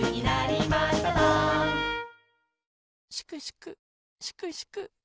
・しくしくしくしく。